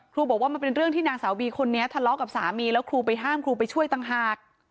บอกว่ามันเป็นเรื่องที่นางสาวบีคนนี้ทะเลาะกับสามีแล้วครูไปห้ามครูไปช่วยต่างหาก